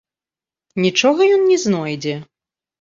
Нічога ён не знойдзе.